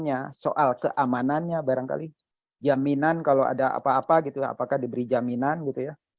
misalnya soal keamanannya barangkali jaminan kalau ada apa apa gitu apakah diberi jaminan gitu ya